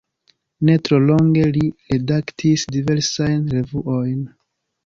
Ne tro longe li redaktis diversajn revuojn.